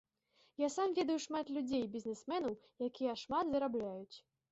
Я сам ведаю шмат людзей, бізнесменаў, якія шмат зарабляюць.